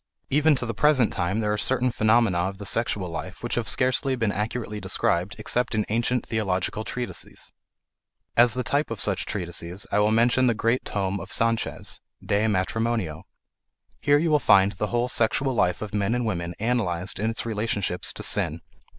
Even to the present time there are certain phenomena of the sexual life which have scarcely been accurately described except in ancient theological treatises. As the type of such treatises I will mention the great tome of Sanchez, De Matrimonio. Here you will find the whole sexual life of men and women analyzed in its relationships to sin.